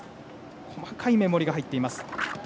細かい目盛りが入っています。